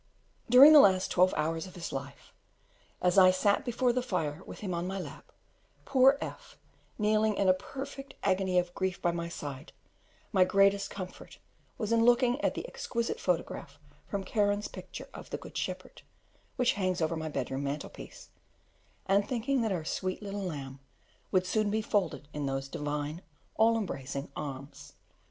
During the last twelve hours of his life, as I sat before the fire with him on my lap, poor F kneeling in a perfect agony of grief by my side, my greatest comfort was in looking at that exquisite photograph from Kehren's picture of the "Good Shepherd," which hangs over my bedroom mantelpiece, and thinking that our sweet little lamb would soon be folded in those Divine, all embracing Arms.